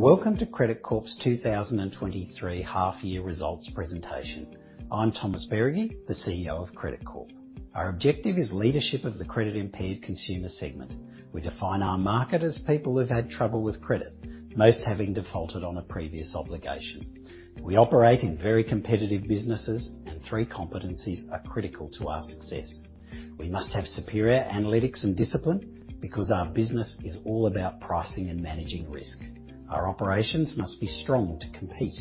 Welcome to Credit Corp's 2023 half year results presentation. I'm Thomas Beregi, the CEO of Credit Corp. Our objective is leadership of the credit-impaired consumer segment. We define our market as people who've had trouble with credit, most having defaulted on a previous obligation. We operate in very competitive businesses, and three competencies are critical to our success. We must have superior analytics and discipline, because our business is all about pricing and managing risk. Our operations must be strong to compete.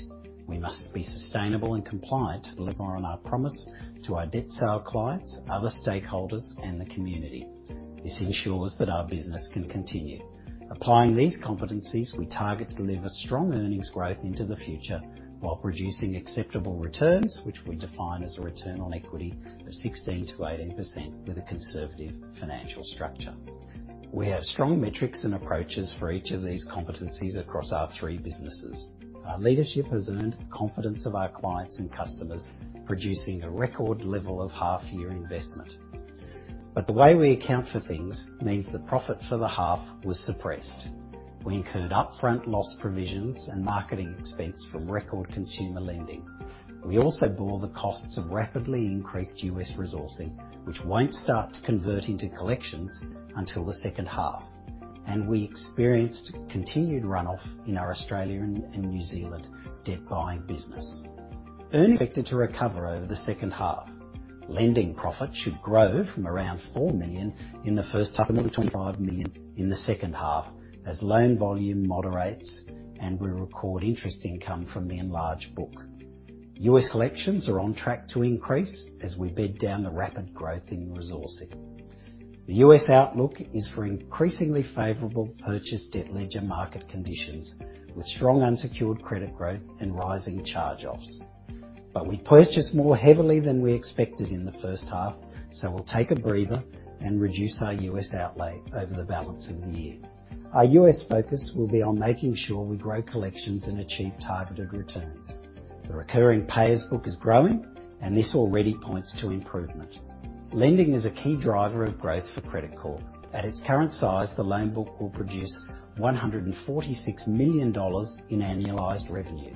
We must be sustainable and compliant to deliver on our promise to our debt sale clients, other stakeholders, and the community. This ensures that our business can continue. Applying these competencies, we target to deliver strong earnings growth into the future while producing acceptable returns, which we define as a return on equity of 16%-18% with a conservative financial structure. We have strong metrics and approaches for each of these competencies across our three businesses. Our leadership has earned the confidence of our clients and customers, producing a record level of half year investment. The way we account for things means the profit for the half was suppressed. We incurred upfront loss provisions and marketing expense from record consumer lending. We also bore the costs of rapidly increased U.S. Resourcing, which won't start to convert into collections until the second half, and we experienced continued runoff in our Australia and New Zealand debt buying business. Earnings expected to recover over the second half. Lending profit should grow from around 4 million in the first half to 25 million in the second half as loan volume moderates and we record interest income from the enlarged book. U.S. collections are on track to increase as we bid down the rapid growth in resourcing. The U.S. outlook is for increasingly favorable Purchased Debt Ledger market conditions with strong unsecured credit growth and rising charge-offs. We purchased more heavily than we expected in the first half, so we'll take a breather and reduce our U.S. outlay over the balance of the year. Our U.S. focus will be on making sure we grow collections and achieve targeted returns. The recurring payers book is growing, and this already points to improvement. Lending is a key driver of growth for Credit Corp. At its current size, the loan book will produce 146 million dollars in annualized revenue.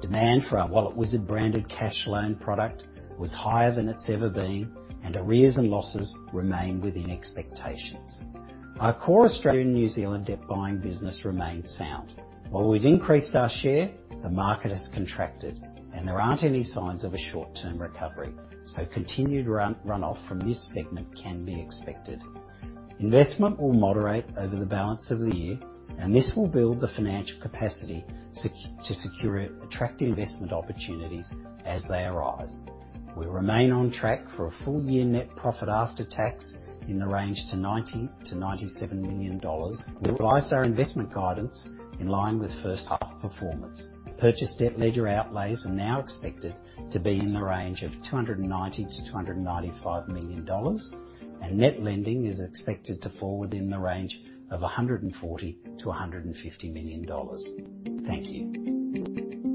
Demand for our Wallet Wizard branded cash loan product was higher than it's ever been, and arrears and losses remain within expectations. Our core Australian New Zealand debt buying business remains sound. While we've increased our share, the market has contracted, and there aren't any signs of a short-term recovery, so continued run off from this segment can be expected. Investment will moderate over the balance of the year, and this will build the financial capacity to secure attractive investment opportunities as they arise. We remain on track for a full year net profit after tax in the range to 90 million-97 million dollars. We raise our investment guidance in line with first half performance. Purchased Debt Ledger outlays are now expected to be in the range of 290 million-295 million dollars, and net lending is expected to fall within the range of 140 million-150 million dollars. Thank you.